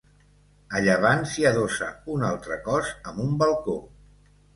A llevant s'hi adossa un altre cos amb un balcó.